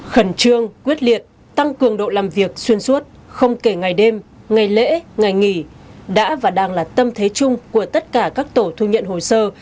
khẩn trương quyết liệt tăng cường độ làm việc xuyên suốt không kể ngày đêm ngày lễ ngày nghỉ đã và đang là tâm thế chung của tất cả các tổ thu nhận hồ sơ